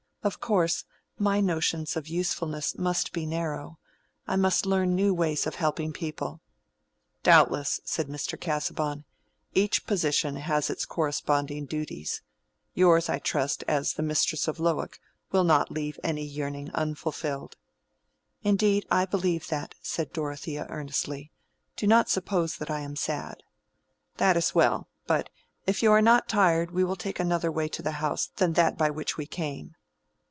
Of course, my notions of usefulness must be narrow. I must learn new ways of helping people." "Doubtless," said Mr. Casaubon. "Each position has its corresponding duties. Yours, I trust, as the mistress of Lowick, will not leave any yearning unfulfilled." "Indeed, I believe that," said Dorothea, earnestly. "Do not suppose that I am sad." "That is well. But, if you are not tired, we will take another way to the house than that by which we came."